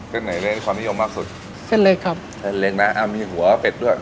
ไหนได้ความนิยมมากสุดเส้นเล็กครับเส้นเล็กนะอ่ามีหัวเป็ดด้วย